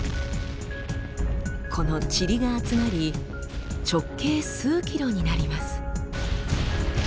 このチリが集まり直径数ｋｍになります。